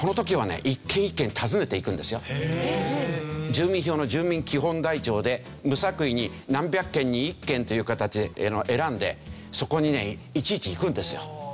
住民票の住民基本台帳で無作為に何百軒に１軒という形で選んでそこにねいちいち行くんですよ。